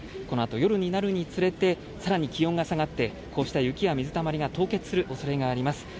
このあと夜になるにつれて、さらに気温が下がって、こうした雪や水たまりが凍結するおそれがあります。